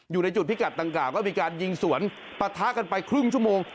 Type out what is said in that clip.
อยู่ในจุดพิกัดดังกล่าวก็มีการยิงสวนปะทะกันไปครึ่งชั่วโมง